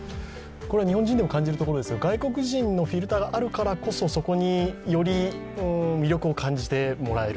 日本人でも感じるところですが、外国人のフィルターがあるからこそ、そこに、より魅力を感じてもらえる。